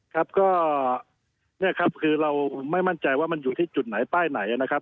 ครับก็เนี่ยครับคือเราไม่มั่นใจว่ามันอยู่ที่จุดไหนป้ายไหนนะครับ